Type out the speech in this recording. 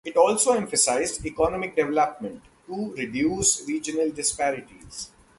It also emphasized "economic development" to reduce regional disparities.